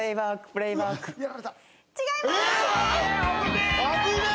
違います！